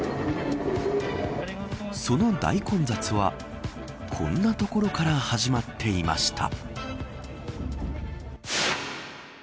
その大混雑はこんなところから始まっていました。